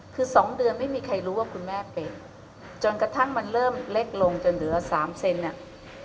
คือสองเดือนไม่มีใครรู้ว่าคุณแม่เป็นจนกระทั่งมันเริ่มเล็กลงจนเหลือสามเซนเนี่ย